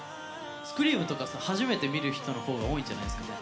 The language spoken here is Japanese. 「Ｓｃｒｅａｍ」とかさ、初めて見る人のほうが多いんじゃないですかね。